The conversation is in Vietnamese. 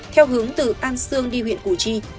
theo hướng từ an sương đi huyện củ chi